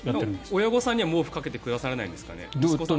親御さんには毛布をかけてくださらないんですかね。